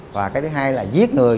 và cái thứ hai là giết người